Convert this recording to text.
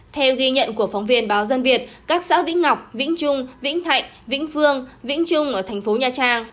theo ghi nhận của phóng viên báo dân việt các xã vĩnh ngọc vĩnh trung vĩnh thạnh vĩnh phương vĩnh trung ở thành phố nha trang